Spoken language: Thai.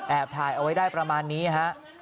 แอบถ่ายเอาไว้ได้ประมาณนี้ครับ